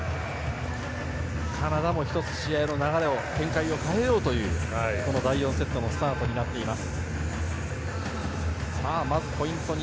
カナダも１つ、試合の流れを展開を変えようという第４セットのスタートとなっています。